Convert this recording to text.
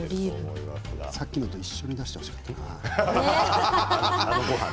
さっきのと一緒に出してほしかったな。